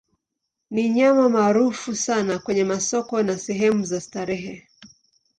Ni nyama maarufu sana kwenye masoko na sehemu za starehe.